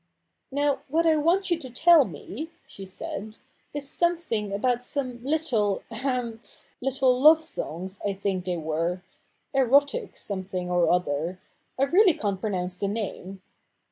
' Now, what I want you to tell me,' she said, ' is some thing about some little — ahem — little love songs, I think they were — ipwrtK something or other — I really can't pronounce the name.'